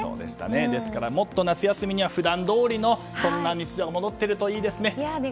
ですからもっと夏休みには普段どおりの日常が戻っているといいですね。